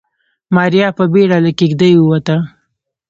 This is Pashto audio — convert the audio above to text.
ماريا په بيړه له کېږدۍ ووته.